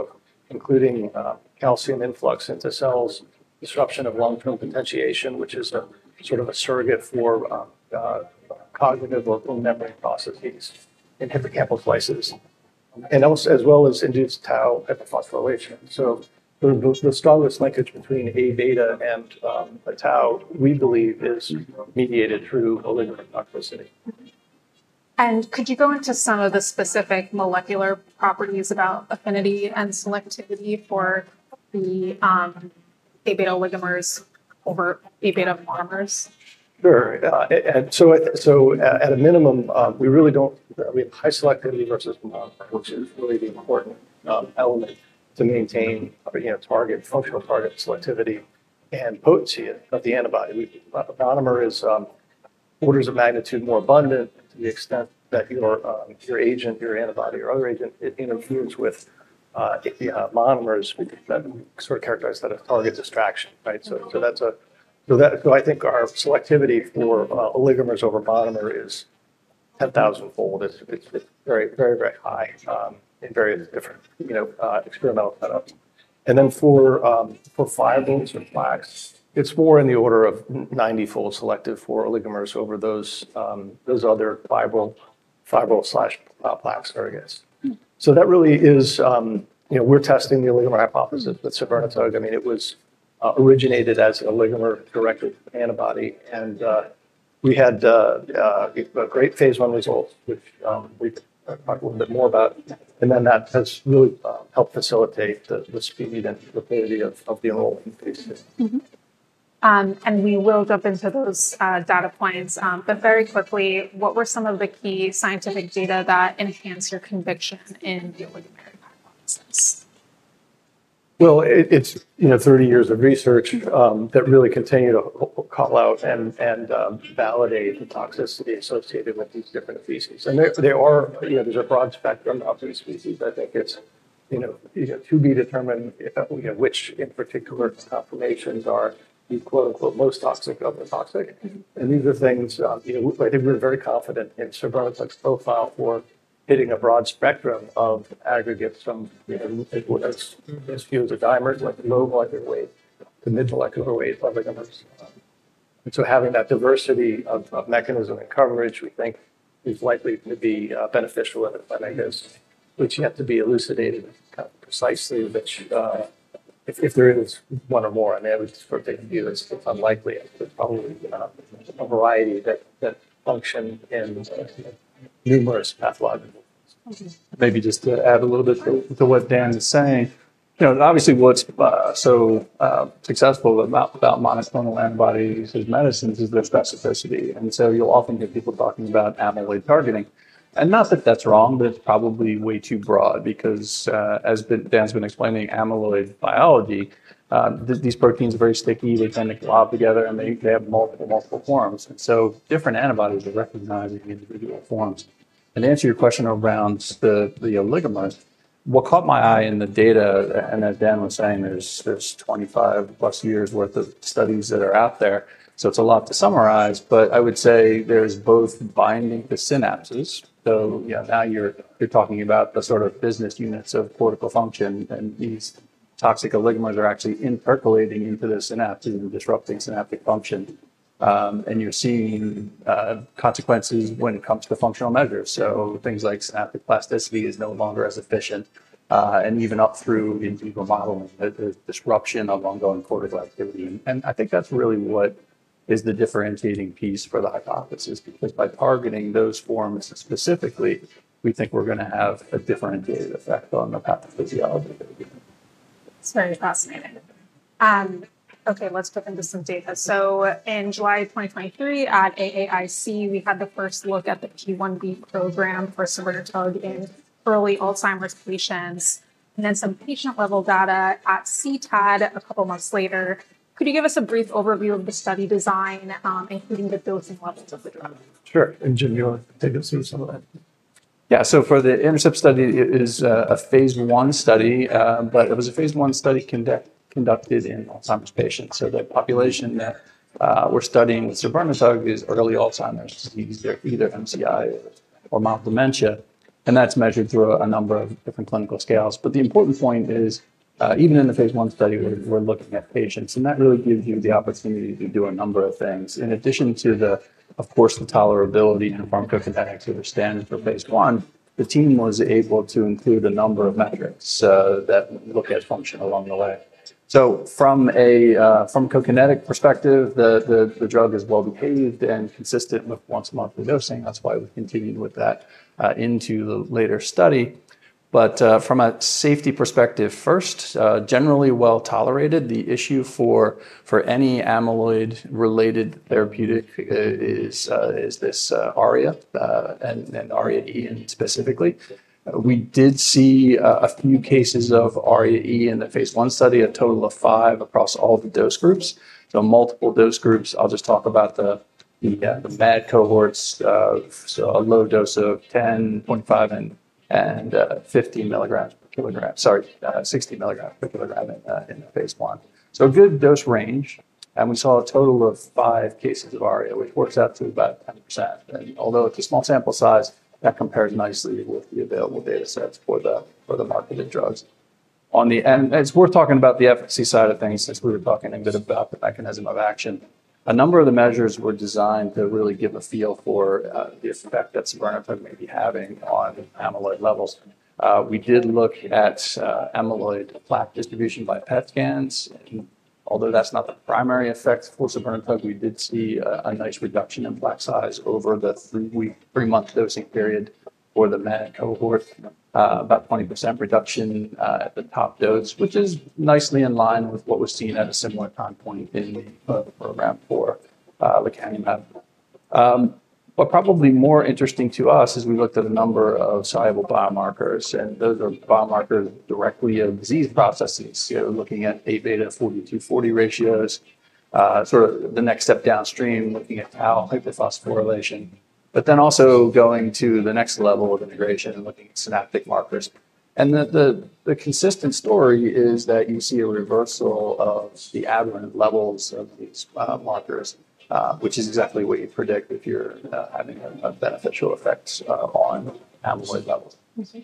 including calcium influx into cells, disruption of long-term potentiation, which is a surrogate for cognitive or memory processes, and hippocampal slices, as well as induced tau hyperphosphorylation. The strongest linkage between A-beta and tau, we believe, is mediated through oligomer toxicity. Could you go into some of the specific molecular properties about affinity and selectivity for the A-beta oligomers over A-beta monomers? Sure. At a minimum, we really don't, we have high selectivity versus monomer, which is really the important element to maintain functional target selectivity and potency of the antibody. Monomer is orders of magnitude more abundant. The extent that your peer agent, your antibody, or other agent interferes with monomers, we sort of characterize that as target distraction. Right? I think our selectivity for oligomers over monomer is 10,000-fold. It's very, very, very high in various different experimental setups. For fibrils or plaques, it's more in the order of 90-fold selective for oligomers over those other fibril/plaques aggregates. That really is, you know, we're testing the oligomer hypothesis with Soburnitug. It was originated as an oligomer-directed antibody, and we had great phase I results, which we talk a little bit more about. That has really helped facilitate the speed and rapidity of the enrollment. We will jump into those data points. Very quickly, what were some of the key scientific data that enhanced your conviction in the oligomeric hypothesis? It's 30 years of research that really continued to call out and validate the toxicity associated with these different species. There are a broad spectrum of toxic species. I think it's to be determined which in particular confirmations are the quote-unquote "most toxic of the toxic." These are things I think we're very confident in Soburnitug's profile for hitting a broad spectrum of aggregates from a few of the dimers, like low molecular weight to mid-molecular weight oligomers. Having that diversity of mechanism and coverage, we think, is likely to be beneficial in a clinic, which yet to be elucidated precisely, which if there is one or more, I mean, at least from taking view is unlikely, it's probably a variety that function in numerous pathologics. Maybe just to add a little bit to what Dan is saying, obviously what's so successful about monoclonal antibodies as medicines is their specificity. You'll often get people talking about amyloid targeting. Not that that's wrong, but it's probably way too broad because, as Dan's been explaining, amyloid biology, these proteins are very sticky. They tend to glob together, and they have multiple, multiple forms. Different antibodies are recognizing individual forms. To answer your question around the oligomers, what caught my eye in the data, and as Dan was saying, there's 25+ years' worth of studies that are out there. It's a lot to summarize, but I would say there's both binding to synapses. Now you're talking about the sort of business units of cortical function, and these toxic oligomers are actually intercalating into the synapses and disrupting synaptic function. You're seeing consequences when it comes to the functional measures. Things like synaptic plasticity is no longer as efficient, and even up through into the modeling, there's disruption of ongoing cortical activity. I think that's really what is the differentiating piece for the hypothesis, because by targeting those forms specifically, we think we're going to have a differentiated effect on the pathophysiology. It's very fascinating. Okay, let's jump into some data. In July 2023 at AAIC, we had the first look at the P1B program for Soburnitug in early Alzheimer's patients, and then some patient-level data at CTAD a couple months later. Could you give us a brief overview of the study design, including the dosing levels of the drug? Sure. You'll take us through some of that. For the intercept study, it is a phase I study, but it was a phase I study conducted in Alzheimer's patients. The population that we're studying with Soburnitug is early Alzheimer's disease, either MCI or mild dementia. That's measured through a number of different clinical scales. The important point is, even in the phase I study, we're looking at patients, and that really gives you the opportunity to do a number of things. In addition to the tolerability and pharmacokinetics, which stand for phase I, the team was able to include a number of metrics that look at function along the way. From a pharmacokinetic perspective, the drug is well behaved and consistent with once-monthly dosing. That's why we continued with that into the later study. From a safety perspective first, generally well tolerated. The issue for any amyloid-related therapeutic is this ARIA and ARIA E specifically. We did see a few cases of ARIA E in the phase I study, a total of five across all the dose groups. Multiple dose groups, I'll just talk about the MAD cohorts, a low dose of 10.5 and 50 milligrams per kilogram, sorry, 60 milligrams per kilogram in phase I. A good dose range, and we saw a total of five cases of ARIA, which works out to about 10%. Although it's a small sample size, that compares nicely with the available data sets for the marketed drugs. It's worth talking about the efficacy side of things, since we were talking a bit about the mechanism of action. A number of the measures were designed to really give a feel for the effect that Soburnitug may be having on amyloid levels. We did look at amyloid plaque distribution by PET scans. Although that's not the primary effect for Soburnitug, we did see a nice reduction in plaque size over the three-month dosing period for the MAD cohort, about 20% reduction at the top dose, which is nicely in line with what was seen at a similar time point in the clinical program for lecanemab. What's probably more interesting to us is we looked at a number of soluble biomarkers, and those are biomarkers directly of disease processes. Looking at A-beta 42-40 ratios, sort of the next step downstream, looking at tau hyperphosphorylation, but then also going to the next level of integration and looking at synaptic markers. The consistent story is that you see a reversal of the aberrant levels of these markers, which is exactly what you predict if you're having a beneficial effect on amyloid levels.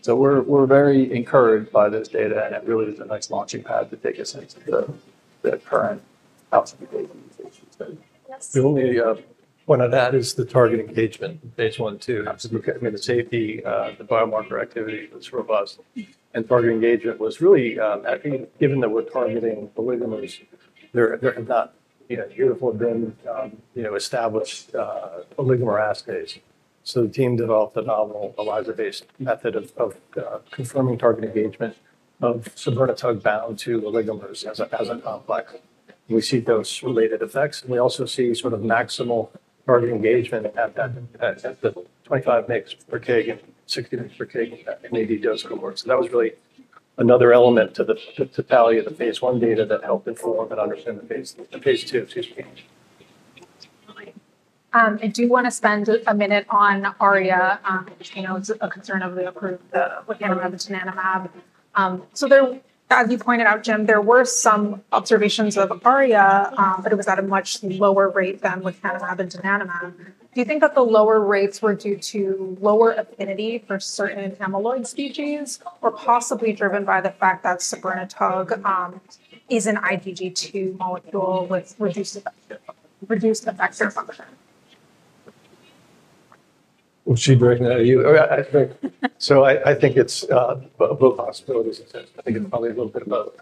We're very encouraged by this data, and it really is a nice launching pad to take us into the current outside data usage. The only point I'd add is the target engagement, phase I too. I mean, the safety, the biomarker activity was robust, and target engagement was really, I mean, given that we're targeting oligomers, there had not, you know, uniform been established oligomer assays. The team developed a novel ELISA-based method of confirming target engagement of Soburnitug bound to oligomers as an omblex. We see those related effects, and we also see sort of maximal target engagement at the 25 mg/kg and 60 mg/kg in that MAD dose cohort. That was really another element to the totality of the phase I data that helped inform and underpin the phase II exchange. Definitely. I do want to spend a minute on ARIA. You know, it's a concern of the accrued lecanemab and donanumab. There, as you pointed out, Jim, there were some observations of ARIA, but it was at a much lower rate than lecanemab and donanumab. Do you think that the lower rates were due to lower affinity for certain amyloid species, or possibly driven by the fact that Soburnitug is an IgG2 molecule with reduced effector function? I think it's both possibilities. I can tell you a little bit about,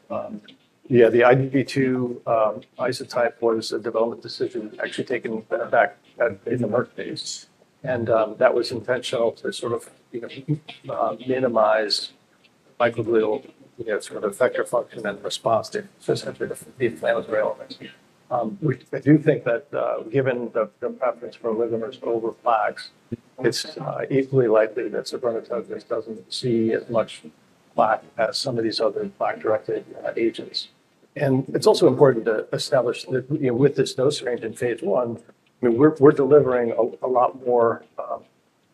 yeah, the IgG2 isotype was a development decision actually taken back in the Merck phase, and that was intentional to sort of minimize microglial effective function and response to the inflammatory elements. I do think that given the preference for oligomers over plaques, it's equally likely that Soburnitug doesn't see as much plaque as some of these other plaque-directed agents. It's also important to establish that, with this dose range in phase I, we're delivering a lot more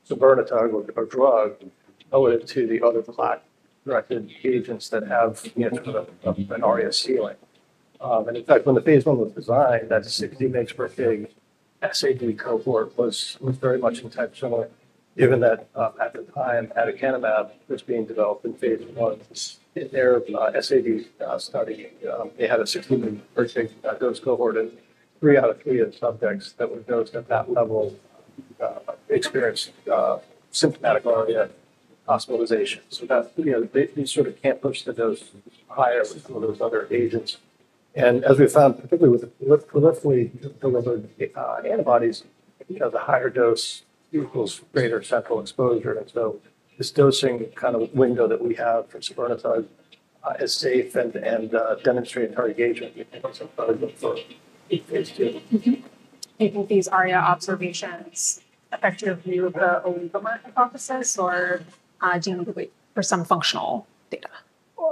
Soburnitug drug relative to the other plaque-directed agents that have an ARIA ceiling. In fact, when the phase I was designed, that 60 mg/kg SAD cohort was very much intentional, given that at the time, aducanumab was being developed in phase I. Their SAD study had a 60 mg/kg dose cohort, and three out of eight of the subjects that were dosed at that level experienced symptomatic ARIA hospitalization. They sort of can't push the dose higher for those other agents. As we found, particularly with clinically delivered antibodies, the higher dose equals greater central exposure. This dosing window that we have for Soburnitug is safe and demonstrates our engagement. We think it's a valuable thought. Do you think these ARIA observations affect your view of the oligomer hypothesis, or do you need to wait for some functional data?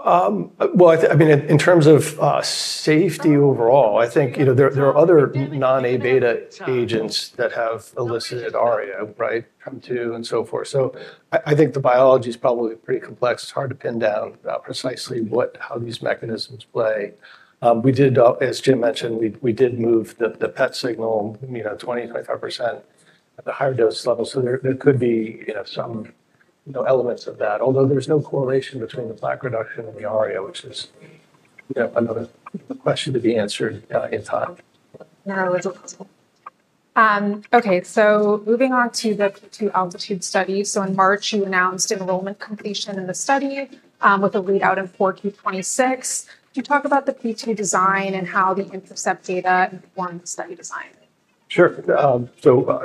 In terms of safety overall, I think there are other non-A-beta agents that have elicited ARIA, right, come to and so forth. I think the biology is probably pretty complex. It's hard to pin down precisely how these mechanisms play. As Jim mentioned, we did move the PET signal 20-25% at the higher dose level. There could be some elements of that, although there's no correlation between the plaque reduction and the ARIA, which is another question to be answered in time. No, it's a puzzle. Okay, moving on to the P2 Altitude study. In March, you announced enrollment completion in the study with a lead out of 4Q26. Could you talk about the P2 design and how the Intercept data informed study design? Sure.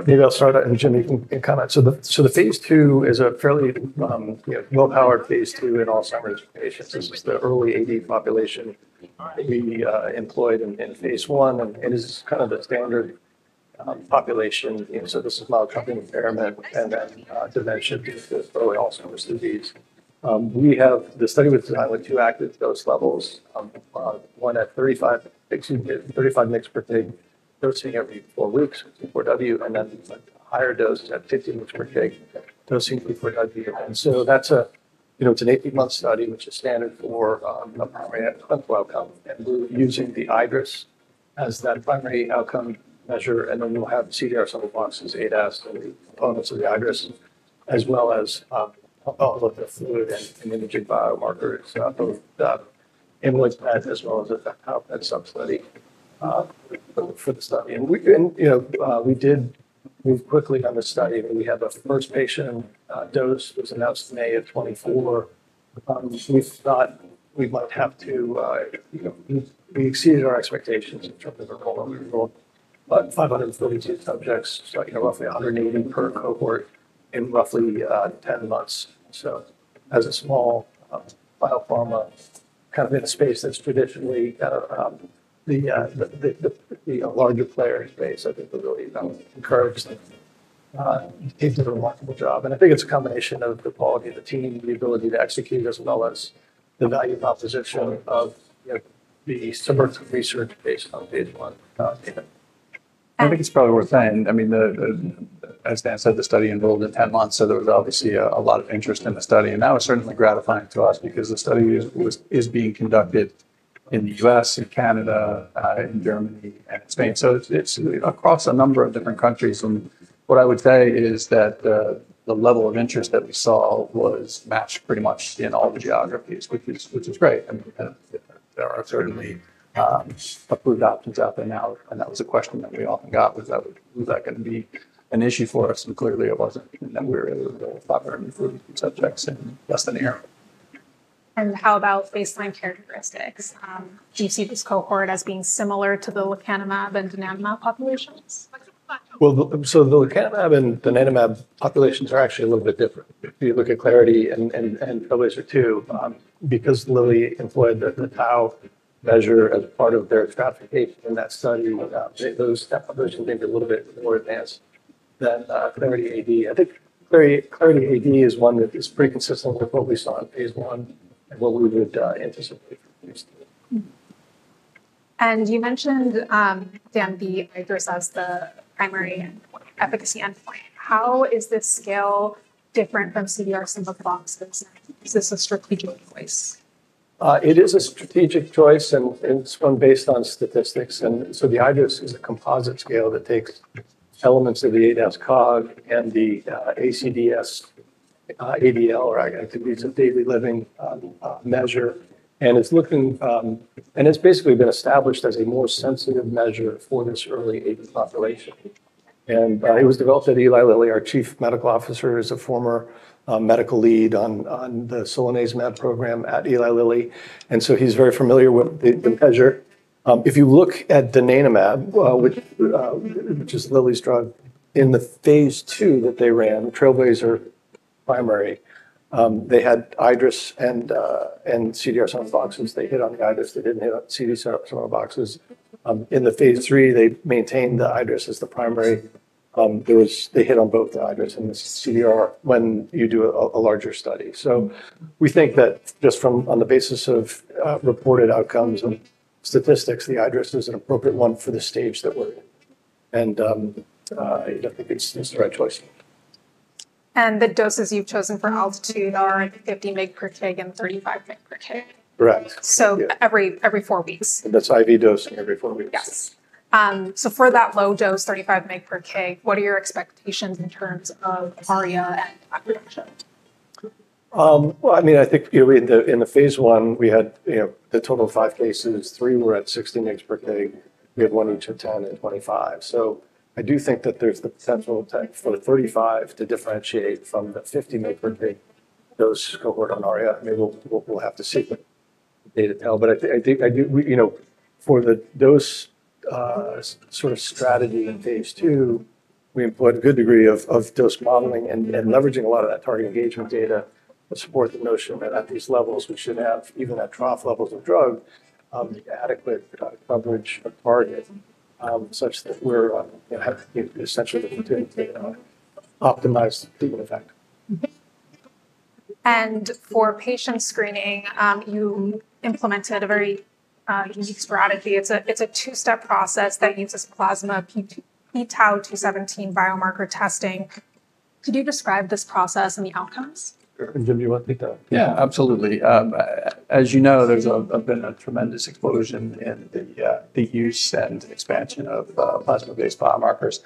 Maybe I'll start, and Jim, you can comment. The phase II is a fairly well-powered phase II in Alzheimer's patients. This is the early AD population we employed in phase I, and this is kind of the standard population. This is mild cognitive impairment, and then dementia is the early Alzheimer's disease. The study was designed with two active dose levels, one at 35 mg/kg dosing every four weeks before W, and then a higher dose at 150 mg/kg dosing before W. It's an 18-month study, which is standard for primary clinical outcomes. We're using the IDRS as that primary outcome measure, and then we'll have CDR sample boxes, 8 assays, elements of the IDRS, as well as all of the fluid and imaging biomarkers, both the amyloid patch as well as a substudy for the study. We did move quickly on the study. We have a first patient dose that was announced in May 2024. We thought we might have to, we exceeded our expectations in terms of our cohort. We enrolled 542 subjects, so roughly 180 per cohort in roughly 10 months. As a small biopharma, kind of in a space that's traditionally kind of the larger players' base, I think we're really encouraged to do a remarkable job. I think it's a combination of the quality of the team, the ability to execute, as well as the value proposition of the suburban research based on phase I data. It's probably worth saying, as Dan said, the study enrolled in 10 months, so there was obviously a lot of interest in the study. It's certainly gratifying to us because the study is being conducted in the U.S., in Canada, in Germany, and in Spain. It's across a number of different countries. What I would say is that the level of interest that we saw was matched pretty much in all the geographies, which is great. There are certainly approved options out there now. That was a question that we often got, was that going to be an issue for us? Clearly it wasn't. We were able to enroll 582 subjects in less than a year. How about baseline characteristics? Do you see this cohort as being similar to the lecanemab and donanumab populations? The lecanemab and donanumab populations are actually a little bit different. If you look at Clarity and Trailblazer II, because Lilly employed the tau measure as part of their stratification in that study, those populations seem to be a little bit more advanced than Clarity AD. I think Clarity AD is one that is pretty consistent with what we saw in phase I and what we would anticipate for phase II. You mentioned, Dan, the IDRS as the primary efficacy. How is this scale different from CDR sample boxes? Is this a strategic choice? It is a strategic choice, and it's one based on statistics. The IDRS is a composite scale that takes elements of the ADAS-Cog and the ACDS ADL, or activities of daily living measure. It's basically been established as a more sensitive measure for this early ADL population. It was developed at Eli Lilly. Our Chief Medical Officer is a former medical lead on the Solanezumab program at Eli Lilly, so he's very familiar with the measure. If you look at donanemab, which is Lilly's drug, in the phase II that they ran, Trailblazer primary, they had IDRS and CDR-SB. They hit on the IDRS. They didn't hit on CDR-SB. In the phase III, they maintained the IDRS as the primary. They hit on both the IDRS and the CDR when you do a larger study. We think that just from the basis of reported outcomes and statistics, the IDRS is an appropriate one for the stage that we're in. I think it's the right choice. The doses you've chosen for Altitude are 50 mg per kg and 35 mg per kg? Correct. Every four weeks. That's IV dosing every four weeks. Yes. For that low dose, 35 mg per kg, what are your expectations in terms of ARIA and plaque reduction? I think in the phase I, we had a total of five cases. Three were at 16 mg/kg. We had one each at 10 and 25. I do think that there's the potential for the 35 to differentiate from the 50 mg/kg dose cohort on ARIA. We'll have to see the data tell. I think for the dose sort of strategy in phase II, we employed a good degree of dose modeling and leveraging a lot of that target engagement data to support the notion that at these levels, which you have even at trough levels of drug, adequate coverage of target, such that we're essentially the continued data on optimized treatment effect. For patient screening, you implemented a very unique strategy. It's a two-step process that uses plasma pTau217 biomarker testing. Could you describe this process and the outcomes? Yeah, absolutely. As you know, there's been a tremendous explosion in the use and expansion of plasma-based biomarkers.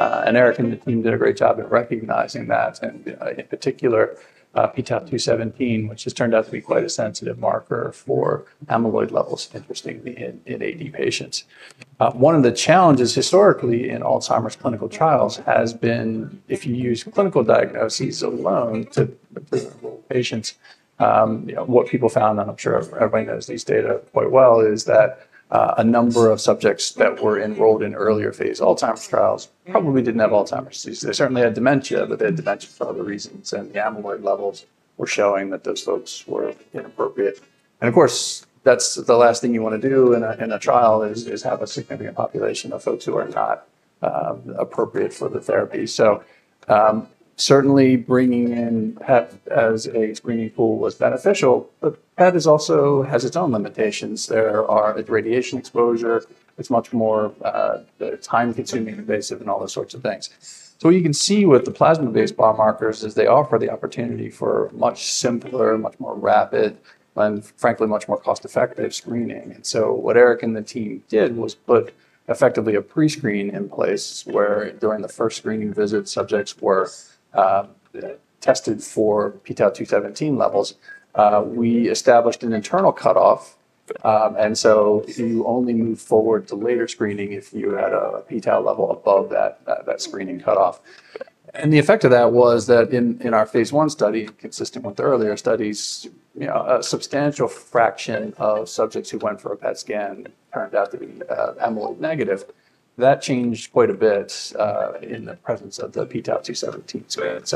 Eric and the team did a great job in recognizing that, and in particular, pTau217, which has turned out to be quite a sensitive marker for amyloid levels, interestingly, in AD patients. One of the challenges historically in Alzheimer's clinical trials has been, if you use clinical diagnoses alone to patients, what people found, and I'm sure everybody knows these data quite well, is that a number of subjects that were enrolled in earlier phase Alzheimer's trials probably didn't have Alzheimer's disease. They certainly had dementia, but they had dementia for other reasons, and the amyloid levels were showing that those folks were inappropriate. That's the last thing you want to do in a trial, have a significant population of folks who are not appropriate for the therapy. Certainly bringing in PET as a screening pool was beneficial. PET also has its own limitations. There is radiation exposure. It's much more time-consuming, invasive, and all those sorts of things. What you can see with the plasma-based biomarkers is they offer the opportunity for much simpler, much more rapid, and frankly, much more cost-effective screening. Eric and the team put effectively a prescreen in place where, during the first screening visit, subjects were tested for pTau217 levels. We established an internal cutoff, and you only moved forward to later screening if you had a pTau level above that screening cutoff. The effect of that was that in our phase I study, consistent with the earlier studies, a substantial fraction of subjects who went for a PET scan turned out to be amyloid negative. That changed quite a bit in the presence of the pTau217 screen.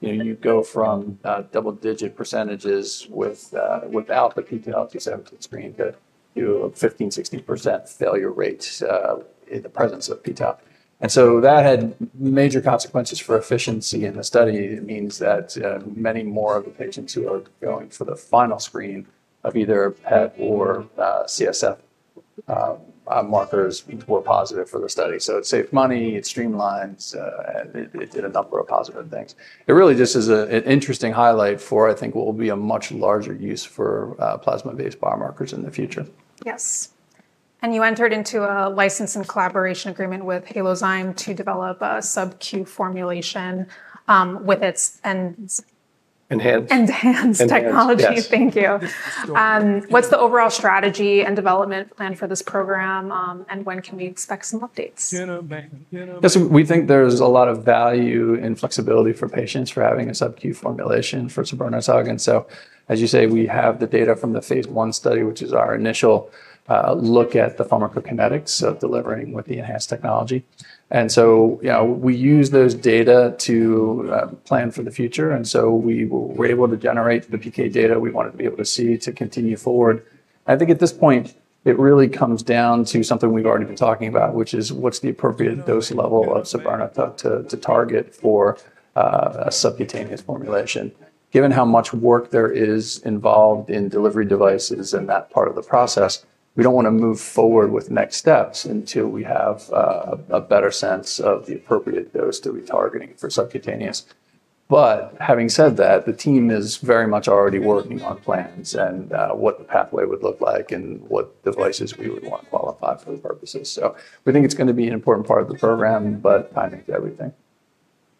You go from double-digit percentages without the pTau217 screen to a 15% to 16% failure rate in the presence of pTau. That had major consequences for efficiency in the study. It means that many more of the patients who are going for the final screen of either PET or CSF markers were positive for the study. It saved money, it streamlined, and it did a number of positive things. It really just is an interesting highlight for, I think, what will be a much larger use for plasma-based biomarkers in the future. Yes. You entered into a license and collaboration agreement with Halozyme to develop a sub-Q formulation with its enhanced technology. Thank you. What is the overall strategy and development plan for this program, and when can we expect some updates? We think there's a lot of value and flexibility for patients for having a sub-Q formulation for Soburnitug. As you say, we have the data from the phase I study, which is our initial look at the pharmacokinetics of delivering with the enhanced technology. We use those data to plan for the future. We were able to generate the PK data we wanted to be able to see to continue forward. I think at this point, it really comes down to something we've already been talking about, which is what's the appropriate dose level of Soburnitug to target for a subcutaneous formulation. Given how much work there is involved in delivery devices and that part of the process, we don't want to move forward with next steps until we have a better sense of the appropriate dose to be targeting for subcutaneous. Having said that, the team is very much already working on plans and what the pathway would look like and what devices we would want to qualify for the purposes. We think it's going to be an important part of the program, but it's tied into everything.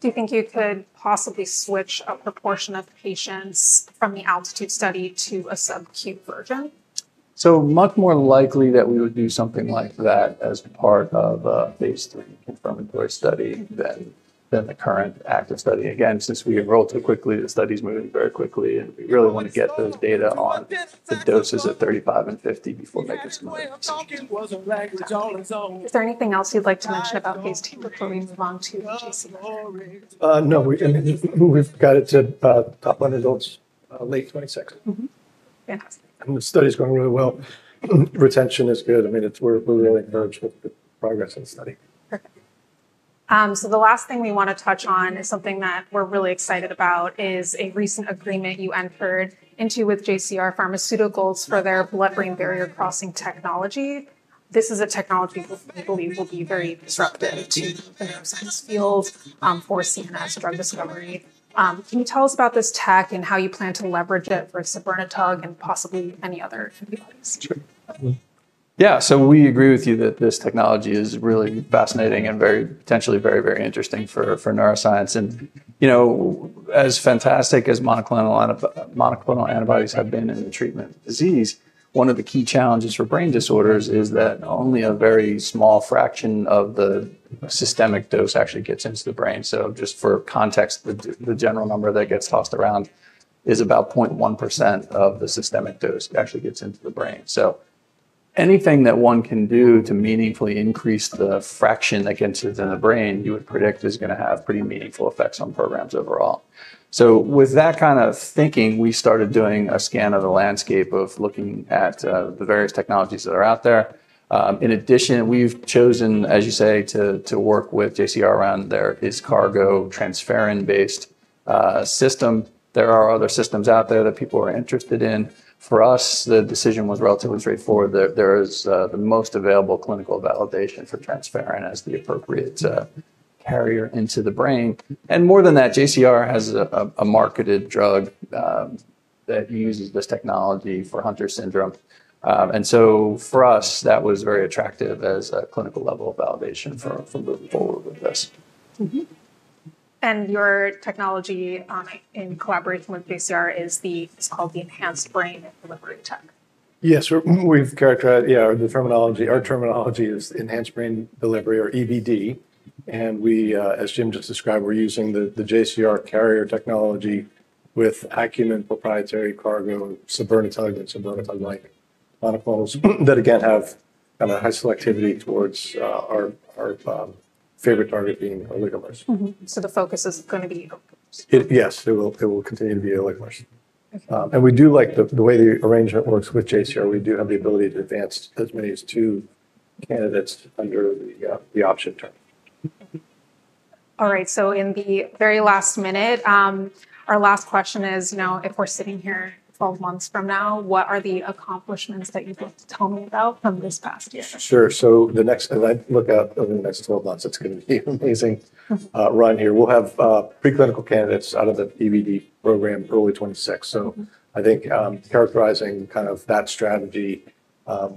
Do you think you could possibly switch a proportion of patients from the altitude study to a sub-Q version? is much more likely that we would do something like that as part of a phase 3 confirmatory study than the current active study. Since we enrolled so quickly, the study's moving very quickly, and we really want to get those data on the doses at 35 and 50 before they just move. Is there anything else you'd like to mention about Phase II before we move on to? No, we've got it to top line results late 2026. Yes. The study's going really well. Retention is good. We're really encouraged with the progress of the study. The last thing we want to touch on is something that we're really excited about, a recent agreement you entered into with JCR Pharmaceuticals for their blood-brain barrier crossing technology. This is a technology we believe will be very disruptive to the neuroscience field for CNS drug discovery. Can you tell us about this tech and how you plan to leverage it for Soburnitug and possibly any other could be placed? Sure. We agree with you that this technology is really fascinating and potentially very, very interesting for neuroscience. As fantastic as monoclonal antibodies have been in the treatment of disease, one of the key challenges for brain disorders is that only a very small fraction of the systemic dose actually gets into the brain. For context, the general number that gets tossed around is about 0.1% of the systemic dose actually gets into the brain. Anything that one can do to meaningfully increase the fraction that gets into the brain, you would predict is going to have pretty meaningful effects on programs overall. With that kind of thinking, we started doing a scan of the landscape, looking at the various technologies that are out there. In addition, we've chosen, as you say, to work with JCR around their ISCARGO transferrin-based system. There are other systems out there that people are interested in. For us, the decision was relatively straightforward. There is the most available clinical validation for transferrin as the appropriate carrier into the brain. More than that, JCR has a marketed drug that uses this technology for Hunter's syndrome. For us, that was very attractive as a clinical level of validation for moving forward with this. Your technology in collaboration with JCR is called the Enhanced Brain Delivery Tech. Yes, we've characterized our terminology. Our terminology is Enhanced Brain Delivery, or EBD, and we, as Jim just described, we're using the JCR carrier technology with Acumen proprietary Cargo Soburnitug and Soburnitug-like monoclonals that again have kind of a high selectivity towards our favorite target being oligomers. The focus is going to be oligomers. Yes, it will continue to be oligomers. We do like the way the arrangement works with JCR. We do have the ability to advance as many as two candidates under the option term. All right, in the very last minute, our last question is, you know, if we're sitting here 12 months from now, what are the accomplishments that you'd love to tell me about from this past year? Sure, as I look out over the next 12 months, it's going to be an amazing run here. We'll have preclinical candidates out of the EBD program early 2026. I think characterizing kind of that strategy,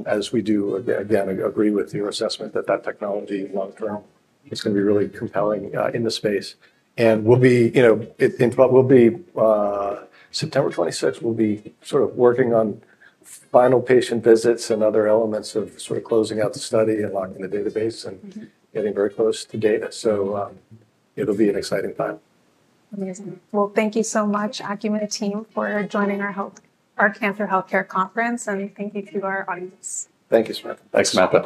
as we do, again, agree with your assessment that that technology long-term is going to be really compelling in the space. In 12 months, in September 2026, we'll be working on final patient visits and other elements of closing out the study and locking the database and getting very close to data. It'll be an exciting time. Amazing. Thank you so much, Belite Bio team, for joining our Cantor Healthcare Conference, and thank you to our audience. Thank you, Samantha. Thank you, Matt.